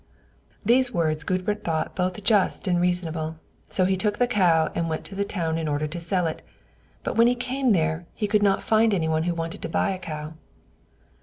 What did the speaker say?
These words Gudbrand thought both just and reasonable; so he took the cow and went to the town in order to sell it: but when he came there, he could not find any one who wanted to buy a cow.